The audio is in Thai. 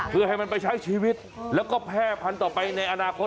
เพื่อให้มันไปใช้ชีวิตแล้วก็แพร่พันธุ์ต่อไปในอนาคต